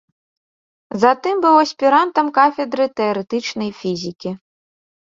Затым быў аспірантам кафедры тэарэтычнай фізікі.